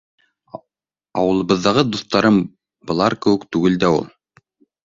Ауылыбыҙҙағы дуҫтарым былар кеүек түгел дә ул.